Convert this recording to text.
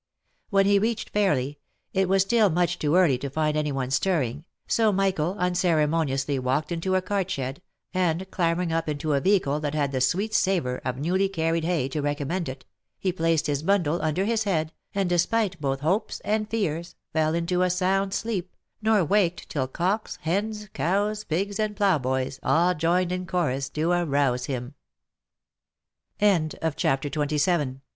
When he reached Fairly, it was still much too early to find any one stirring, so Michael unceremoniously walked into a cart shed, and clambering up into a vehicle that had the sweet savour of newly carried hay to recommend it, he placed his bundle under his head, and despite both hopes and fears, fell into a sound sleep, nor waked till cocks, hens, cows, pigs, and ploughboys, all joined in chorus to arou